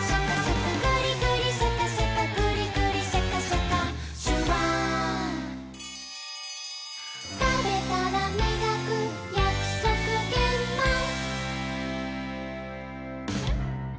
「グリグリシャカシャカグリグリシャカシャカ」「シュワー」「たべたらみがくやくそくげんまん」